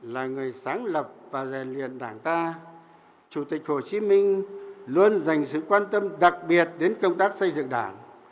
là người sáng lập và rèn luyện đảng ta chủ tịch hồ chí minh luôn dành sự quan tâm đặc biệt đến công tác xây dựng đảng